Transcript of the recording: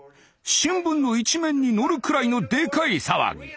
新聞の一面にのるくらいのでかい騒ぎ。